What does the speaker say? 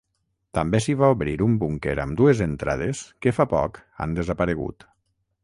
També s'hi va obrir un búnquer amb dues entrades que fa poc han desaparegut.